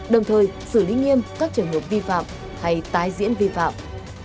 đồng thời xử lý nghiêm các trường hợp vi phạm hay tái diễn vi phạm